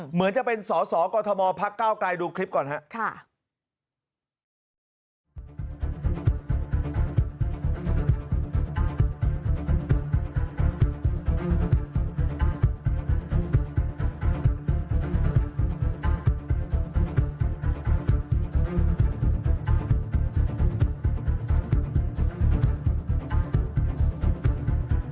เหมือนจะเป็นสสกฎธมพเก้ากายดูคลิปก่อนครับ